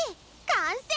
完成！